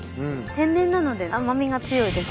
天然なので甘味が強いです。